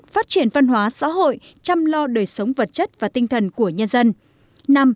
phát triển văn hóa xã hội chăm lo đời sống vật chất và tinh thần của nhân dân